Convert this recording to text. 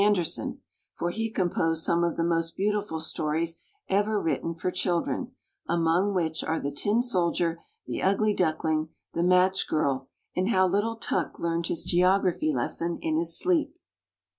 161 Andersen, for he composed some of the most beautiful stories ever written for children, among which are " The Tin Soldier," "The Ugly Duckling," "The Match Girl," and how little Tuk learned his geography lesson in his sleep.